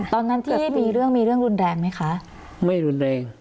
ตอนนั้นที่แบบมีเรื่องมีเรื่องรุนแรงไหมคะไม่รุนแรง